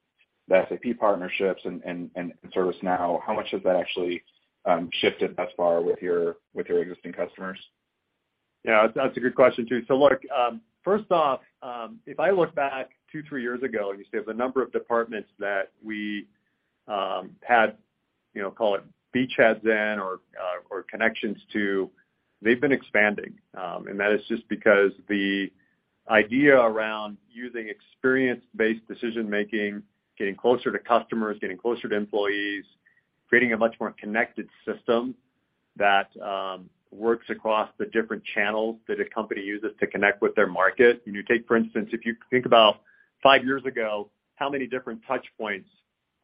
S13: the SAP partnerships and ServiceNow. How much has that actually shifted thus far with your existing customers?
S3: Yeah, that's a good question, too. Look, first off, if I look back two to three years ago, you see the number of departments that we had, you know, call it beachheads in or connections to, they've been expanding. That is just because the idea around using experience-based decision-making, getting closer to customers, getting closer to employees, creating a much more connected system that works across the different channels that a company uses to connect with their market. When you take, for instance, if you think about five years ago, how many different touch points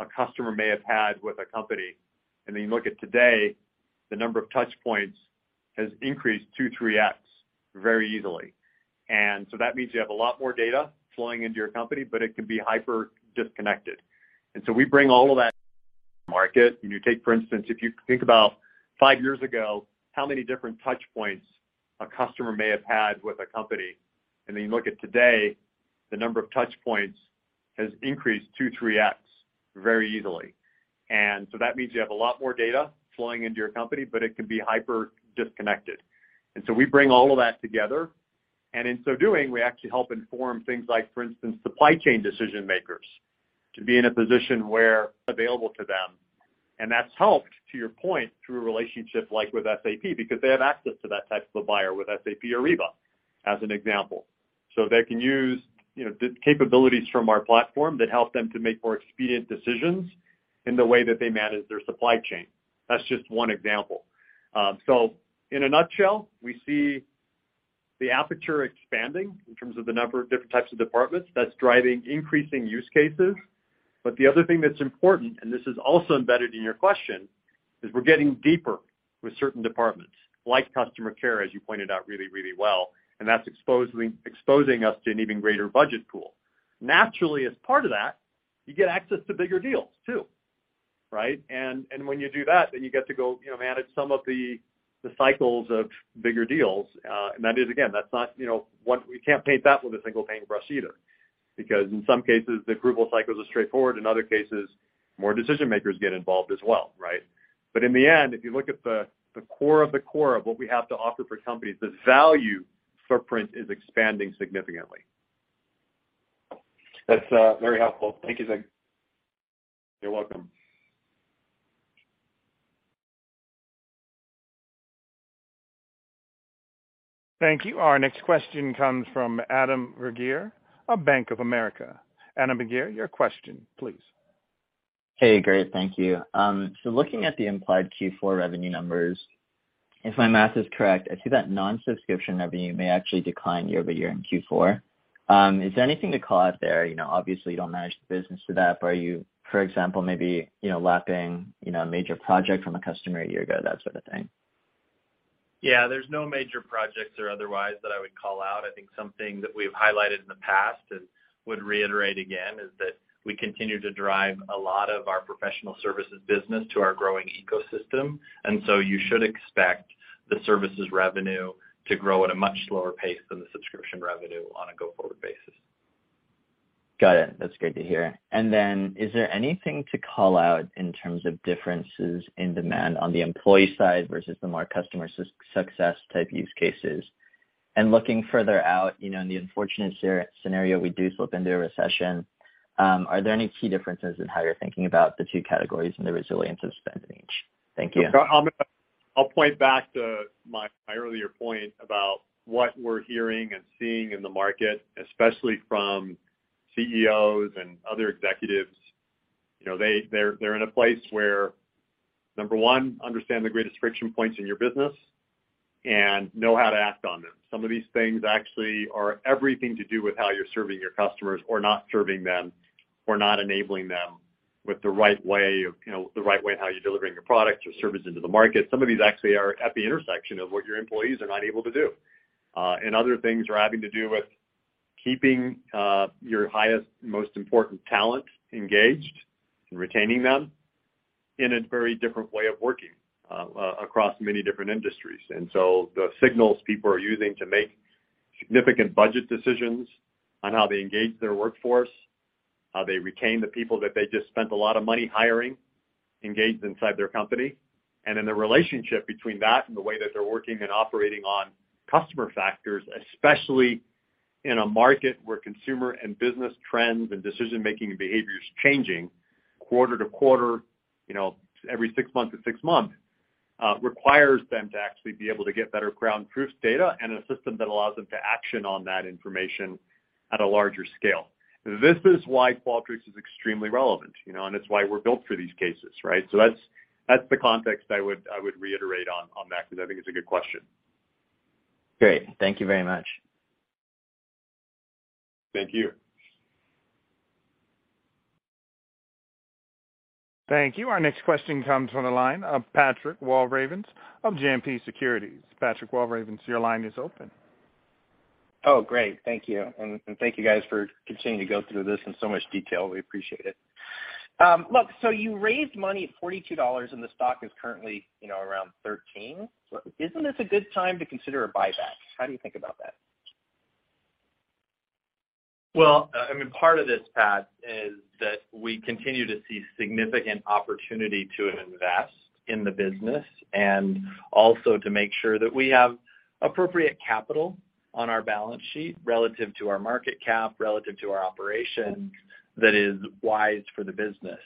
S3: a customer may have had with a company, and then you look at today, the number of touch points has increased 2x-3x very easily. That means you have a lot more data flowing into your company, but it can be hyper disconnected. We bring all of that market. When you take, for instance, if you think about five years ago, how many different touch points a customer may have had with a company, and then you look at today, the number of touch points has increased 2x-3x very easily. That means you have a lot more data flowing into your company, but it can be hyper disconnected. We bring all of that together. In so doing, we actually help inform things like, for instance, supply chain decision-makers to be in a position where available to them. That's helped, to your point, through a relationship like with SAP, because they have access to that type of a buyer with SAP Ariba, as an example. They can use, you know, the capabilities from our platform that help them to make more expedient decisions in the way that they manage their supply chain. That's just one example. In a nutshell, we see the aperture expanding in terms of the number of different types of departments that's driving increasing use cases. The other thing that's important, and this is also embedded in your question, is we're getting deeper with certain departments like customer care, as you pointed out really, really well, and that's exposing us to an even greater budget pool. Naturally, as part of that, you get access to bigger deals too, right? When you do that, then you get to go, you know, manage some of the cycles of bigger deals. That is, again, that's not, you know, we can't paint that with a single paintbrush either, because in some cases, the approval cycles are straightforward. In other cases, more decision-makers get involved as well, right? In the end, if you look at the core of the core of what we have to offer for companies, the value footprint is expanding significantly.
S13: That's very helpful. Thank you, Zig.
S3: You're welcome.
S1: Thank you. Our next question comes from Adam Bergere of Bank of America. Adam Bergere, your question, please.
S14: Hey, great. Thank you. Looking at the implied Q4 revenue numbers, if my math is correct, I see that non-subscription revenue may actually decline year-over-year in Q4. Is there anything to call out there? You know, obviously, you don't manage the business to that, but are you, for example, maybe, you know, lapping, you know, a major project from a customer a year ago, that sort of thing?
S4: Yeah, there's no major projects or otherwise that I would call out. I think something that we've highlighted in the past and would reiterate again, is that we continue to drive a lot of our professional services business to our growing ecosystem. You should expect the services revenue to grow at a much slower pace than the subscription revenue on a go-forward basis.
S14: Got it. That's great to hear. Is there anything to call out in terms of differences in demand on the employee side versus the more customer success type use cases? Looking further out, you know, in the unfortunate scenario, are there any key differences in how you're thinking about the two categories and the resilience of spend in each? Thank you.
S4: I'll point back to my earlier point about what we're hearing and seeing in the market, especially from CEOs and other executives. You know, they're in a place where, number one, understand the greatest friction points in your business and know how to act on them. Some of these things actually are everything to do with how you're serving your customers or not serving them or not enabling them with the right way how you're delivering your products or services into the market. Some of these actually are at the intersection of what your employees are not able to do. Other things are having to do with keeping your highest, most important talent engaged and retaining them in a very different way of working across many different industries. The signals people are using to make significant budget decisions on how they engage their workforce, how they retain the people that they just spent a lot of money hiring, engaged inside their company, and then the relationship between that and the way that they're working and operating on customer factors, especially in a market where consumer and business trends and decision-making behavior is changing quarter to quarter, you know, every six months to six months, requires them to actually be able to get better ground truth data and a system that allows them to action on that information at a larger scale. This is why Qualtrics is extremely relevant, you know, and it's why we're built for these cases, right? That's the context I would reiterate on that because I think it's a good question.
S14: Great. Thank you very much.
S4: Thank you.
S1: Thank you. Our next question comes from the line of Patrick Walravens of JMP Securities. Patrick Walravens, your line is open.
S15: Oh, great. Thank you. Thank you guys for continuing to go through this in so much detail. We appreciate it. Look, you raised money at $42 and the stock is currently, you know, around $13. Isn't this a good time to consider a buyback? How do you think about that?
S4: Well, I mean, part of this, Pat, is that we continue to see significant opportunity to invest in the business and also to make sure that we have appropriate capital on our balance sheet relative to our market cap, relative to our operations that is wise for the business.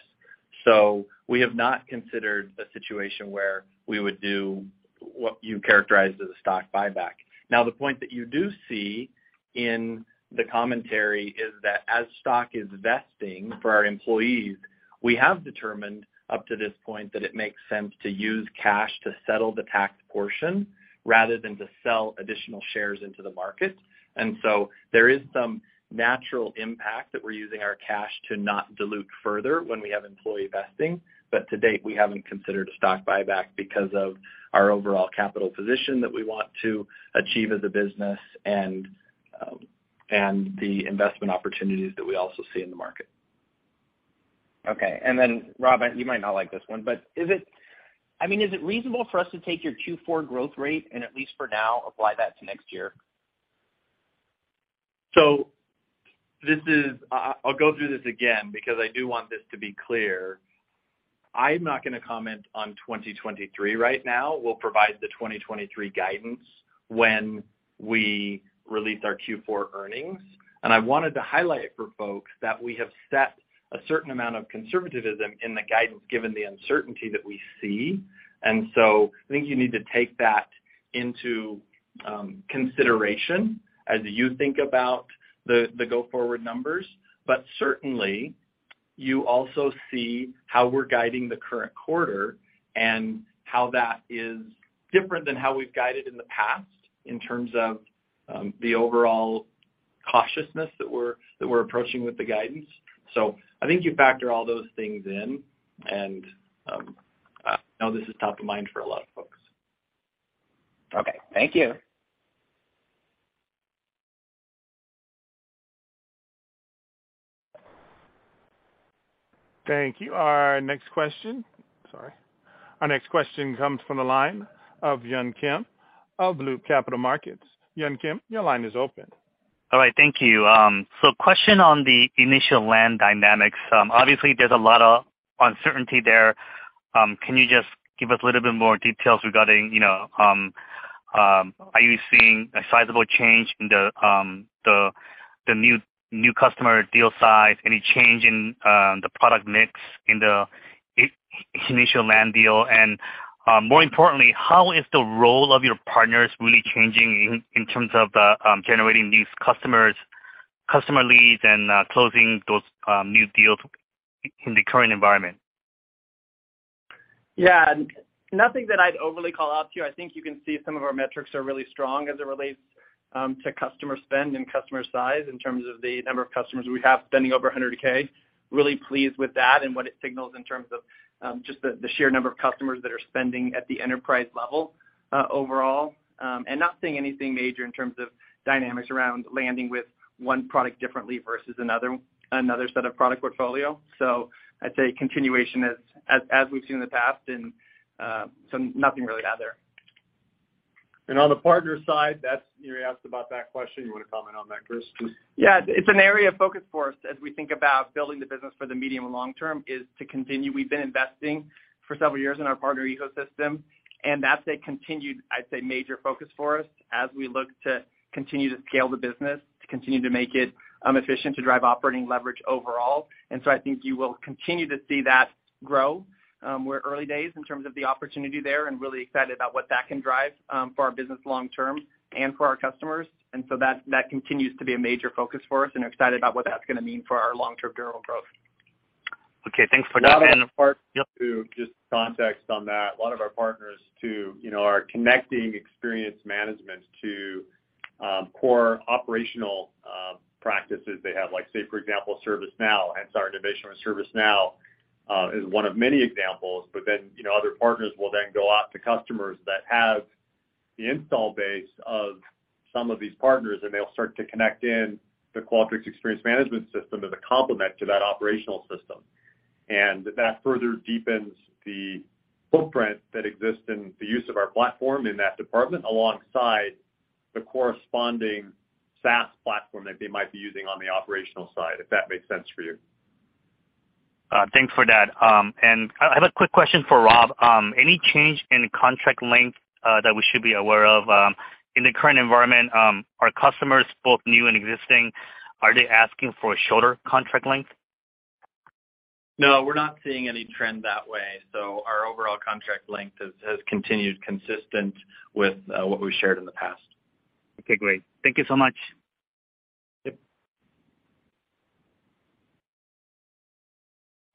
S4: We have not considered a situation where we would do what you characterized as a stock buyback. Now, the point that you do see in the commentary is that as stock is vesting for our employees, we have determined up to this point that it makes sense to use cash to settle the tax portion rather than to sell additional shares into the market. there is some natural impact that we're using our cash to not dilute further when we have employee vesting. To date, we haven't considered a stock buyback because of our overall capital position that we want to achieve as a business and the investment opportunities that we also see in the market.
S15: Okay. Rob, you might not like this one, but I mean, is it reasonable for us to take your Q4 growth rate and at least for now, apply that to next year?
S4: I'll go through this again because I do want this to be clear. I'm not gonna comment on 2023 right now. We'll provide the 2023 guidance when we release our Q4 earnings. I wanted to highlight for folks that we have set a certain amount of conservatism in the guidance given the uncertainty that we see. I think you need to take that into consideration as you think about the go-forward numbers. Certainly, you also see how we're guiding the current quarter and how that is different than how we've guided in the past in terms of the overall cautiousness that we're approaching with the guidance. I think you factor all those things in, and I know this is top of mind for a lot of folks.
S15: Okay. Thank you.
S1: Thank you. Our next question. Sorry. Our next question comes from the line of Hyun Kim of BMO Capital Markets. Hyun Kim, your line is open.
S16: All right. Thank you. Question on the initial land-and-expand dynamics. Obviously there's a lot of uncertainty there. Can you just give us a little bit more details regarding, you know, are you seeing a sizable change in the new customer deal size? Any change in the product mix in the initial land-and-expand deal? More importantly, how is the role of your partners really changing in terms of generating these customer leads and closing those new deals in the current environment?
S4: Yeah. Nothing that I'd overly call out to you. I think you can see some of our metrics are really strong as it relates To customer spend and customer size in terms of the number of customers we have spending over $100K. Really pleased with that and what it signals in terms of just the sheer number of customers that are spending at the enterprise level overall. Not seeing anything major in terms of dynamics around landing with one product differently versus another set of product portfolio. I'd say continuation as we've seen in the past and nothing really to add there.
S3: On the partner side, you asked about that question. You wanna comment on that, Chris?
S9: Yeah. It's an area of focus for us as we think about building the business for the medium and long term, is to continue. We've been investing for several years in our partner ecosystem, and that's a continued, I'd say, major focus for us as we look to continue to scale the business, to continue to make it efficient, to drive operating leverage overall. I think you will continue to see that grow. We're early days in terms of the opportunity there and really excited about what that can drive for our business long term and for our customers. That continues to be a major focus for us and excited about what that's gonna mean for our long-term durable growth.
S16: Okay, thanks for that.
S3: To give context on that, a lot of our partners too, you know, are connecting experience management to core operational practices they have, like, say, for example, ServiceNow. Our integration with ServiceNow is one of many examples, but then, you know, other partners will then go out to customers that have the installed base of some of these partners, and they'll start to connect in the Qualtrics experience management system as a complement to that operational system. That further deepens the footprint that exists in the use of our platform in that department, alongside the corresponding SaaS platform that they might be using on the operational side, if that makes sense for you.
S16: Thanks for that. I have a quick question for Rob. Any change in contract length that we should be aware of in the current environment? Are customers, both new and existing, asking for a shorter contract length?
S4: No, we're not seeing any trend that way. Our overall contract length has continued consistent with what we've shared in the past.
S16: Okay, great. Thank you so much.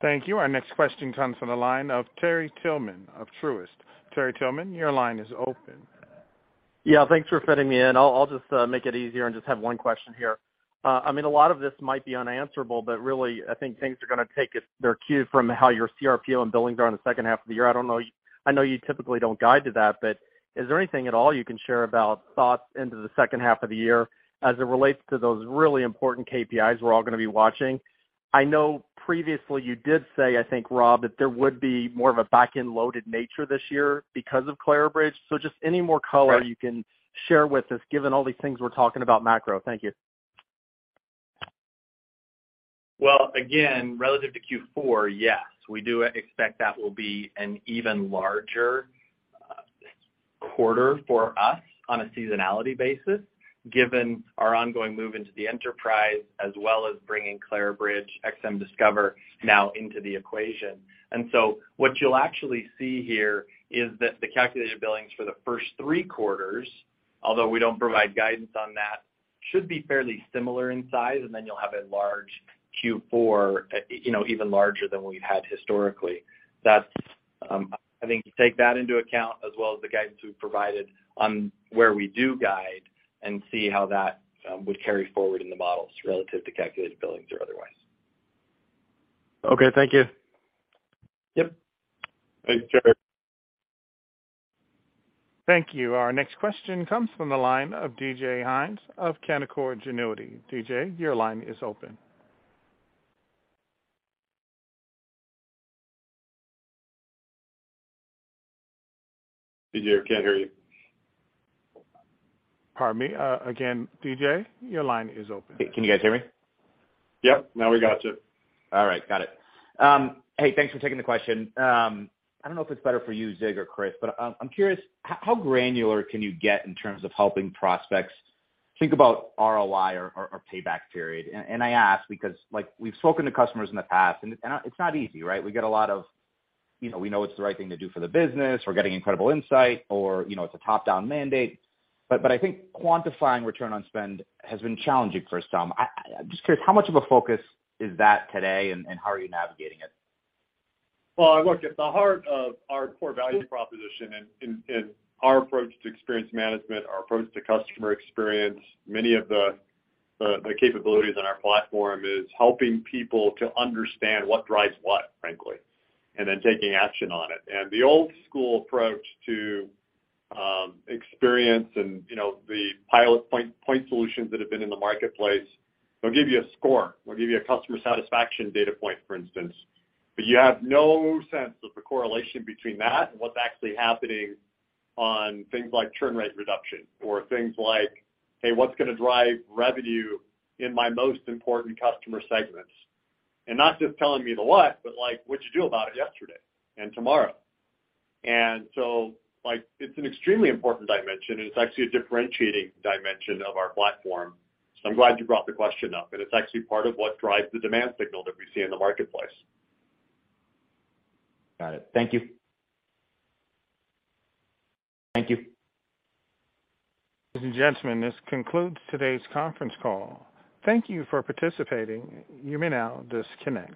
S4: Yep.
S1: Thank you. Our next question comes from the line of Terry Tillman of Truist. Terry Tillman, your line is open.
S17: Yeah, thanks for fitting me in. I'll just make it easier and just have one question here. I mean, a lot of this might be unanswerable, but really, I think things are gonna take their cue from how your CRPO and billings are in the second half of the year. I don't know. I know you typically don't guide to that, but is there anything at all you can share about thoughts into the second half of the year as it relates to those really important KPIs we're all gonna be watching? I know previously you did say, I think, Rob, that there would be more of a back-end loaded nature this year because of Clarabridge. Just any more color you can share with us given all these things we're talking about macro. Thank you.
S4: Well, again, relative to Q4, yes, we do expect that will be an even larger quarter for us on a seasonality basis, given our ongoing move into the enterprise, as well as bringing Clarabridge XM Discover now into the equation. What you'll actually see here is that the calculated billings for the first three quarters, although we don't provide guidance on that, should be fairly similar in size, and then you'll have a large Q4, you know, even larger than we've had historically. That's, I think you take that into account as well as the guidance we've provided on where we do guide and see how that would carry forward in the models relative to calculated billings or otherwise.
S17: Okay, thank you.
S4: Yep.
S3: Thanks, Terry.
S1: Thank you. Our next question comes from the line of DJ Hynes of Canaccord Genuity. DJ, your line is open.
S3: DJ, can't hear you.
S1: Pardon me. Again, DJ, your line is open.
S18: Can you guys hear me?
S3: Yep, now we got you.
S18: All right, got it. Hey, thanks for taking the question. I don't know if it's better for you, Zig or Chris, but I'm curious, how granular can you get in terms of helping prospects think about ROI or payback period? I ask because, like, we've spoken to customers in the past, and it's not easy, right? We get a lot of, you know, we know it's the right thing to do for the business, we're getting incredible insight, or, you know, it's a top-down mandate. I think quantifying return on spend has been challenging for some. I'm just curious, how much of a focus is that today and how are you navigating it?
S3: Well, look, at the heart of our core value proposition and our approach to experience management, our approach to customer experience, many of the capabilities on our platform is helping people to understand what drives what, frankly, and then taking action on it. The old school approach to experience and, you know, the point solutions that have been in the marketplace, they'll give you a score. They'll give you a customer satisfaction data point, for instance. You have no sense of the correlation between that and what's actually happening on things like churn rate reduction or things like, hey, what's gonna drive revenue in my most important customer segments. Not just telling me the what, but, like, what'd you do about it yesterday and tomorrow. Like, it's an extremely important dimension, and it's actually a differentiating dimension of our platform. I'm glad you brought the question up, and it's actually part of what drives the demand signal that we see in the marketplace.
S18: Got it. Thank you. Thank you.
S1: Ladies and gentlemen, this concludes today's conference call. Thank you for participating. You may now disconnect.